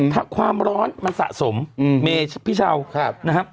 ถ้าความร้อนมันสะสมเมนพิชาวนะฮะ